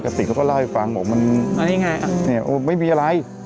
กะติกก็ล่าไปฟังบอกมันอันนี้ไงเนี่ยไม่มีอะไร